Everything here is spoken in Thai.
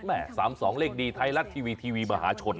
แหม่สามสองเลขดีไทยรัฐทีวีทีวีมหาชน